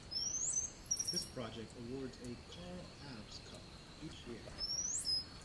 This project awards a "Carl Abs" Cup each year.